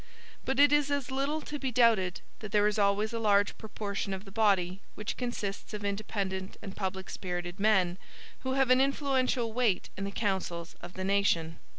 But it is as little to be doubted, that there is always a large proportion of the body, which consists of independent and public spirited men, who have an influential weight in the councils of the nation.